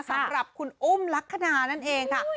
สำหรับคุณอุ้มลักษณะนั่นเองค่ะ